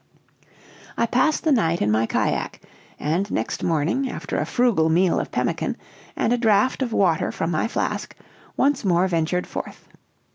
"I passed the night in my cajack; and next morning, after a frugal meal of pemmican, and a draught of water from my flask, once more ventured forth.